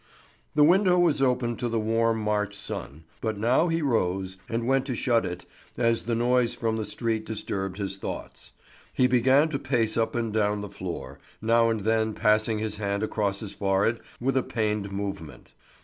The window was open to the warm March sun, but now he rose, and went to shut it, as the noise from the street disturbed his thoughts. He began to pace up and down the floor, now and then passing his hand across his forehead with a pained movement.